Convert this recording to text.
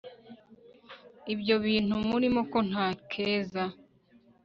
ibyo bintu murimo ko ntakeza